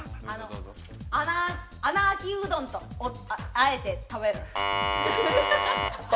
穴あきうどんと和えて食べる。